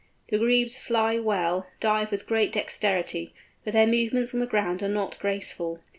The Grebes fly well; dive with great dexterity, but their movements on the ground are not graceful.